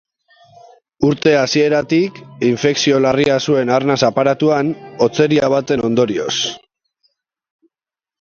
Urte hasieratik, infekzio larria zuen arnas aparatuan, hotzeria baten ondorioz.